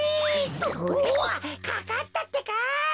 おわっかかったってか。